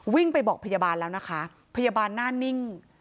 วิ่งไปบอกพยาบาลแล้วนะคะพยาบาลหน้านิ่ง